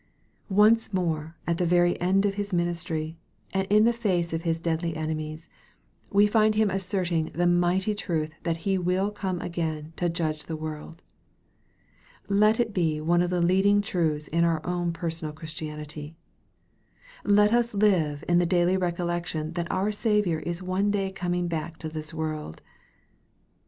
Once more at the very end of His ministry, and in the face of His deadly enemies, we find Him asserting the mighty truth that He will come again to judge the world. Let it be one of the leading truths in our own personal Christianity. Let us live in the daily recollection that our Saviour is one day coming back to this world.